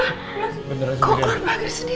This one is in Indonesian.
kok keluar pagar sendiri sih